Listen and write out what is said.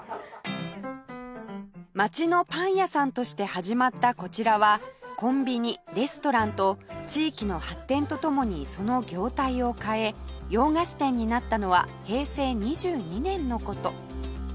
街のパン屋さんとして始まったこちらはコンビニレストランと地域の発展と共にその業態を変え洋菓子店になったのは平成２２年の事